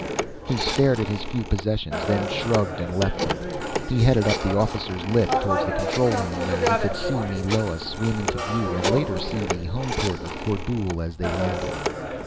He stared at his few possessions, then shrugged and left them. He headed up the officers' lift toward the control room, where he could see Meloa swim into view and later see the homeport of Kordule as they landed.